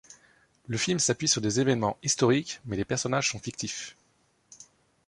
Le film s’appuie sur des événements historiques, mais les personnages sont fictifs.